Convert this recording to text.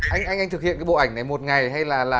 anh thực hiện cái bộ ảnh này một ngày hay là